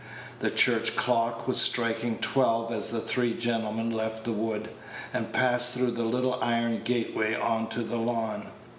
The church clock was striking twelve as the three gentlemen left the wood, and passed through the little iron gateway on to the lawn.